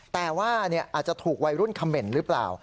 แต่ว่าอาจจะถูกวัยรุ่นคำเหม็นหรือเปล่า